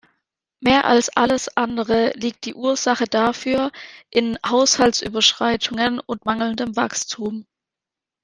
Mehr als alles andere liegt die Ursache dafür in Haushaltsüberschreitungen und mangelndem Wachstum.